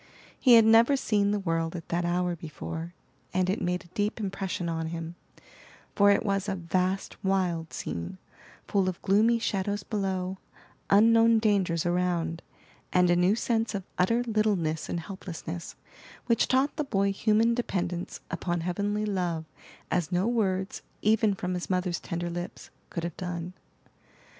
He had never seen the world at that hour before, and it made a deep impression on him; for it was a vast, wild scene, full of gloomy shadows below, unknown dangers around, and a new sense of utter littleness and helplessness, which taught the boy human dependence upon Heavenly love as no words, even from his mother's tender lips, could have done.